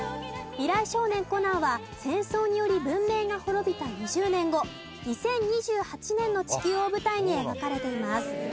『未来少年コナン』は戦争により文明が滅びた２０年後２０２８年の地球を舞台に描かれています。